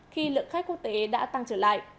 khi lượng khách quốc tế đã tăng trở lại